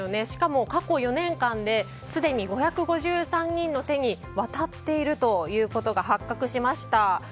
しかも、過去４年間ですでに５５３人の手に渡っているということが発覚しました。